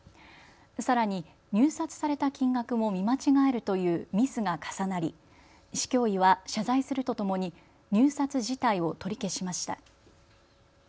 さらに入札された金額も見間違えるというミスが重なり市教委は謝罪するとともに入札自体を取り消しました。